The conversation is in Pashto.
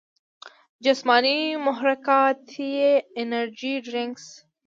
جسماني محرکات ئې انرجي ډرنکس ،